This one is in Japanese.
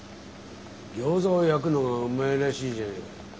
ギョーザを焼くのがうまいらしいじゃないか。